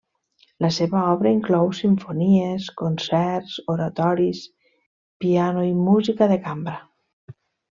La seva obra inclou simfonies, concerts, oratoris, piano i música de cambra.